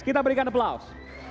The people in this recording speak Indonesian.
kita berikan aplaus